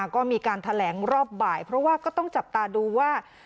ก็มีการแถลงรอบบ่ายเพราะว่าก็ต้องจับตาดูว่า